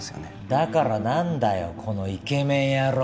だから何だよこのイケメン野郎